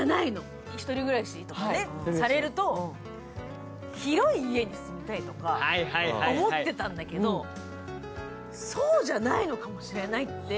１人暮らしとかされると、広い家に住みたいって思ってたんだけど、そうじゃないのかもしれないって